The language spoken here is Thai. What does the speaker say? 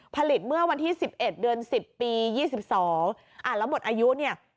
ผลิตเมื่อวันที่สิบเอ็ดเดือนสิบปียี่สิบสองอ่ะแล้วหมดอายุเนี้ย